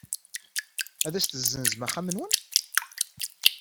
Ad as-tessenzem axxam-nwen?